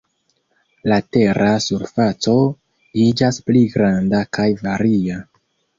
La tera surfaco iĝas pli granda kaj varia.